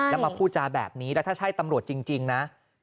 แล้วมาพูดจาแบบนี้แล้วถ้าใช่ตำรวจจริงนะ